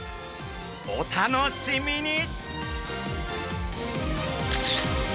お楽しみに！